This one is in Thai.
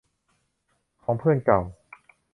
ของเพื่อนเก่า